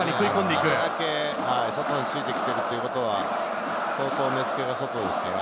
これだけ外について来てるってことは、目付けが外ですから。